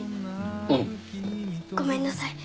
うんごめんなさい